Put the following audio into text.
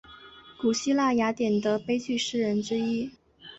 古希腊雅典的悲剧诗人之一。